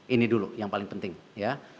ini dulu yang paling penting ya